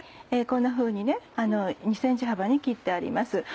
こんなふうに２ｃｍ幅に切ってあります。